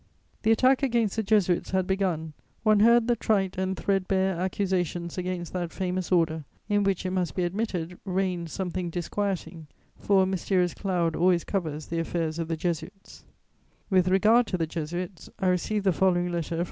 The attack against the Jesuits had begun; one heard the trite and threadbare accusations against that famous Order, in which, it must be admitted, reigns something disquieting, for a mysterious cloud always covers the affairs of the Jesuits. [Sidenote: Letter from M. de Montlosier.] With regard to the Jesuits, I received the following letter from M.